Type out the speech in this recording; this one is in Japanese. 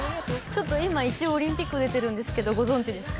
「今一応オリンピック出てるんですけどご存じですか？」